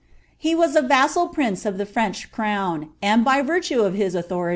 Re «ai vassal prince of the French crown, and, by virine of bis kuthnri^